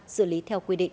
xử lý theo quy định